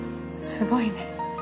すごいね。